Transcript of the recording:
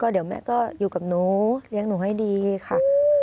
เดี๋ยวแม่ก็อยู่กับหนูเลี้ยงหนูให้ดีค่ะ